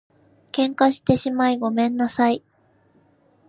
喧嘩してしまいごめんなさい